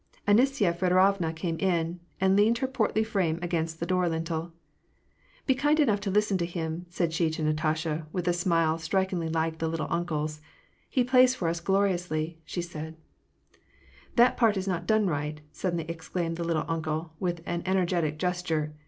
Anisya Feodorovna came in, and leaned her portly ftame against the door lintel. " Be kind enough to listen to him," said she to Natasha, with a smile strikingly like the " little uncle's." " He plays for us gloriously !" said she. "That part is not done right," suddenly exclaimed the "lit tle uncle," with an energetic gesture.